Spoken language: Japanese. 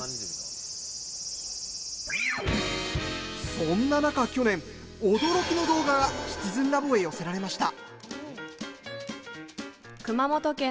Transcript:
そんななか去年、驚きの動画がシチズンラボへ寄せられました。